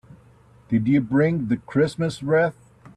Did you bring the Christmas wreath?